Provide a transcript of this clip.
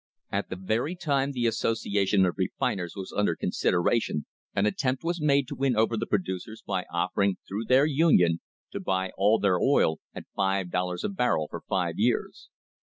At the very time the association of refiners was under con sideration an attempt was made to win over the producers by offering, through their union, to buy all their oil at five dollars a barrel for five years.